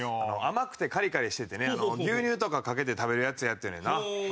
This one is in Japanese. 甘くてカリカリしててね牛乳とかかけて食べるやつやって言うねんな。